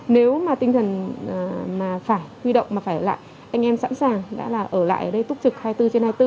nếu mà tinh thần mà phải huy động mà phải là anh em sẵn sàng đã là ở lại ở đây túc trực hai mươi bốn trên hai mươi bốn